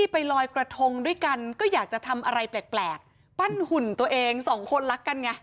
ไปลอยกระทงด้วยกันก็อยากจะทำอะไรแปลกปั้นหุ่นตัวเองสองคนรักกันไง